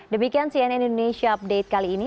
demikian cnn indonesia update kali ini